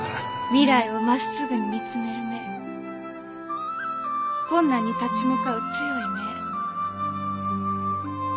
未来をまっすぐに見つめる目困難に立ち向かう強い目。